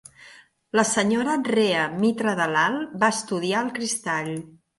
La Sra. Rhea Mitra-Dalal va estudiar el cristall.